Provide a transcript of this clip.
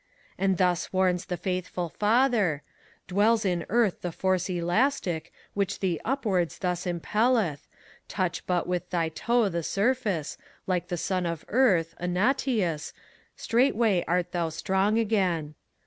And thus warns the faithful father : "Dwells in earth the force elastic Which thee upwards thus impelleth; touch but with thy toe the surf aoe, 172 FAUST, Like the son of Earth, Antaeus, straightway art thou strong again."